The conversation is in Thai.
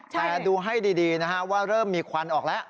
แต่ดูให้ดีนะฮะว่าเริ่มมีควันออกแล้ว